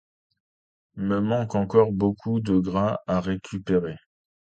Me manque encore beaucoup de gras à récupérer…